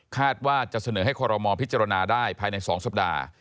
ว่าจะเสนอให้คอรมอลพิจารณาได้ภายใน๒สัปดาห์